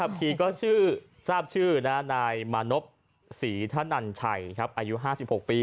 แอลอี้เจ๊หนึ่งเลยยึดไปหาช่วยแก